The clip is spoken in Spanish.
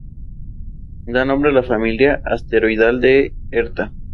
Los ensayos no destructivos implican un daño imperceptible o nulo.